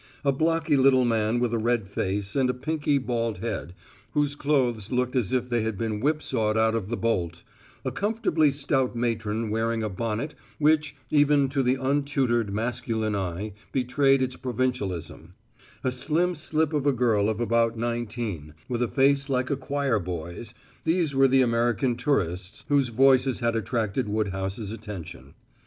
A blocky little man with a red face and a pinky bald head, whose clothes looked as if they had been whipsawed out of the bolt; a comfortably stout matron wearing a bonnet which even to the untutored masculine eye betrayed its provincialism; a slim slip of a girl of about nineteen with a face like a choir boy's these were the American tourists whose voices had attracted Woodhouse's attention.